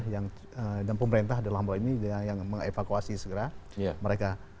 yang dan pemerintah dalam hal ini yang mengevakuasi segera mereka